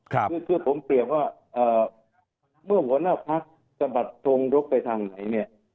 คือผมเกียรติว่าเมื่อหัวหน้าพักษ์จะบัดทงโรคไปทางไหน